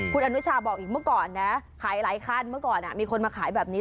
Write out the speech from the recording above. คุณอนุชาบอกอีกเมื่อก่อนนะขายหลายขั้นเมื่อก่อนมีคนมาขายแบบนี้